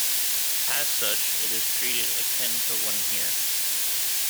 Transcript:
As such, it is treated akin to one here.